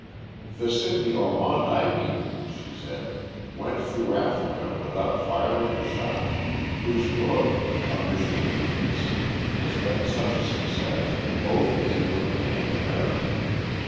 "The Sidney Ormond I mean," she said, "went through Africa without firing a shot; whose book, A Mission of Peace, has been such a success, both in England and America.